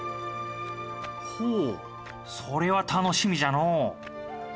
ほうそれは楽しみじゃのう。